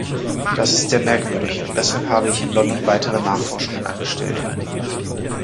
Das ist sehr merkwürdig, deshalb habe ich in London weitere Nachforschungen angestellt.